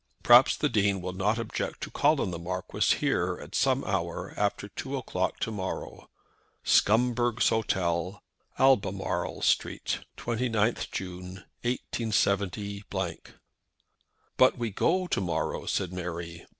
Perhaps the Dean will not object to call on the Marquis here at some hour after two o'clock to morrow. "Scumberg's Hotel, "Albemarle Street. "_29th June, 187 _." "But we go to morrow," said Mary.